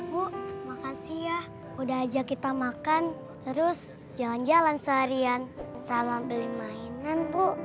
bu makasih ya udah ajak kita makan terus jalan jalan seharian sama beli mainan bu